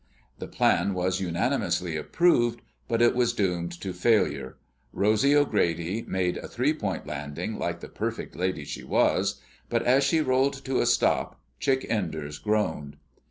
The plan was unanimously approved, but it was doomed to failure. Rosy O'Grady made a three point landing, like the perfect lady she was, but as she rolled to a stop, Chick Enders groaned.